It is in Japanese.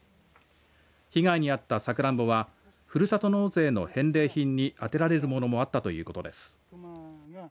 被害にあったさくらんぼはふるさと納税の返礼品に充てられるものもあったということです。